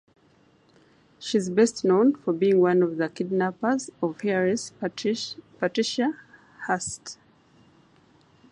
She is best known for being one of the kidnappers of heiress Patricia Hearst.